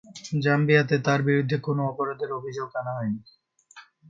জাম্বিয়াতে তার বিরুদ্ধে কোন অপরাধের অভিযোগ আনা হয়নি।